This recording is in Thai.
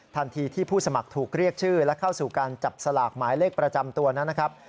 ทันทีที่ผู้สมัครถูกเรียกชื่อและเข้าสู่การจับสลากหมายเลขประจำตัวนั้นนะครับ